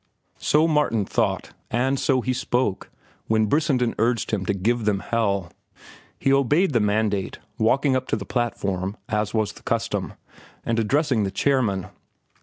So Martin thought, and so he spoke when Brissenden urged him to give them hell. He obeyed the mandate, walking up to the platform, as was the custom, and addressing the chairman.